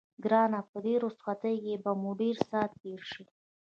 ګرانه په دې رخصتۍ کې به مو ډېر ساعت تېر شي.